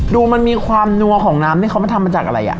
ดูมันมีความนัวของน้ำที่เขามาทำมาจากอะไรอ่ะ